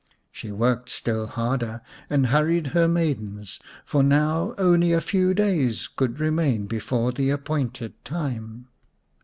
She worked still harder and hurried her maidens, for now only a few days could remain before the appointed time.